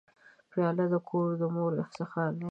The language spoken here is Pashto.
پیاله د کور د مور افتخار دی.